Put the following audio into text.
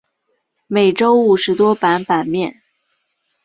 每周五十多版版面。